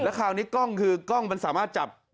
คราวนี้กล้องคือกล้องมันสามารถจับ